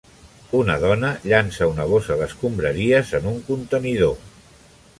Una dona llança una bossa d'escombraries en un contenidor.